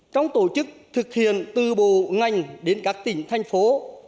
trong tổ chức thực hiện từ bộ ngành đến các tỉnh thành phố